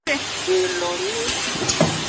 Gbelonu.